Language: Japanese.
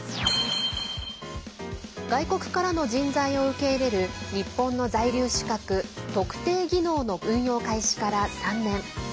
外国からの人材を受け入れる日本の在留資格特定技能の運用開始から３年。